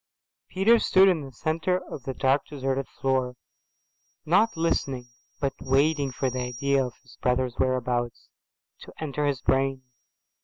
Peter stood in the centre of the dark deserted floor, not listening but waiting for the idea of his brother's whereabouts to enter his brain.